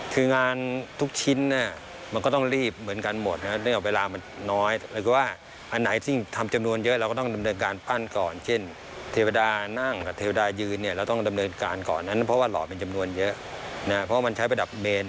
คืองานทุกชิ้นมันก็ต้องรีบเหมือนกันหมด